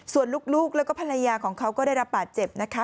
ส่วนลูกแล้วก็ภรรยาของเขาก็ได้รับบาดเจ็บนะคะ